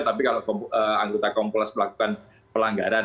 tapi kalau anggota kompolnas melakukan pelanggaran